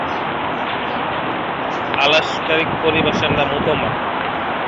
আলঙ্কারিক পরিভাষায় এর নাম উপমা।